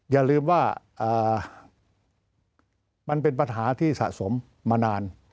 อย่าลืมว่ามันเป็นปัญหาที่สะสมมานาน